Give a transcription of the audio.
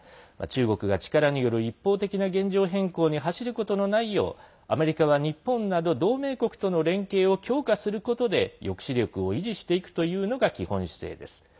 中国が力による一方的な現状変更に走ることのないようアメリカは日本など同盟国との連携を強化することで抑止力を維持していくというのが基本姿勢です。